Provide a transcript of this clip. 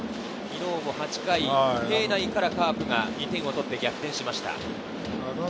昨日も８回、平内からカープが２点を取って逆転しました。